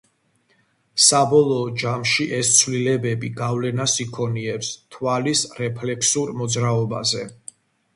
საბოლოო ჯამში, ეს ცვლილებები გავლენას იქონიებს თვალის რეფლექსურ მოძრაობაზე.